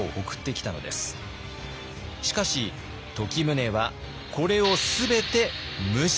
しかし時宗はこれを全て無視。